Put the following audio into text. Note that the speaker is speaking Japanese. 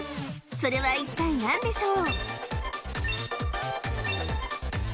それは一体何でしょう？